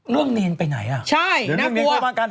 เรื่องเนงไปไหนอ่ะเรื่องเนงพอมากัน